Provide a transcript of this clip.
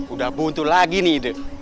udah muncul lagi nih ide